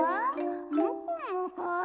もこもこ？